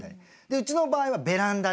うちの場合はベランダで。